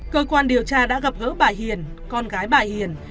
cơ quan điều tra đã gặp gỡ bà hiền con gái bà hiền